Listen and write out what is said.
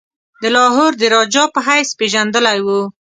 د لاهور د راجا په حیث پيژندلی وو.